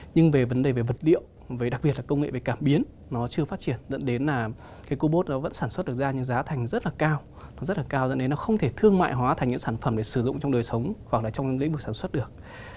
nó rất là cao dẫn đến nó không thể thương mại hóa thành những sản phẩm để sử dụng trong đời sống hoặc là trong lĩnh vực sản xuất được